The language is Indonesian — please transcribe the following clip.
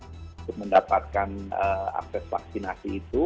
untuk mendapatkan akses vaksinasi itu